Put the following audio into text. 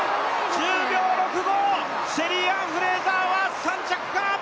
１０秒６５、シェリーアン・フレイザーは３着か。